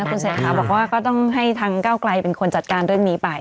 แล้วคุณแสนครับบอกว่าก็ต้องให้ทางเก้ากลายเป็นคนจัดการเรื่องนี้ไป